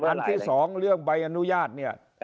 อันที่๒เรื่องใบอนุญาตเนี่ย